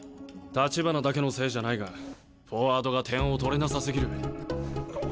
橘だけのせいじゃないがフォワードが点を取れなさすぎる。